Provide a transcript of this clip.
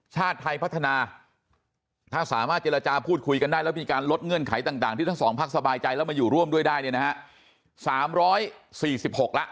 ชาติไทยพัฒนาถ้าสามารถเจรจาพูดคุยกันได้แล้วมีการลดเงื่อนไขต่างที่ทั้งสองพักสบายใจแล้วมาอยู่ร่วมด้วยได้เนี่ยนะฮะ๓๔๖แล้ว